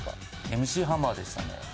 Ｍ．Ｃ．ハマーでしたね。